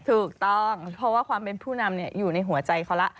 ถูกต้องเพราะว่าความเป็นผู้นำอยู่ในหัวใจเขาแล้ว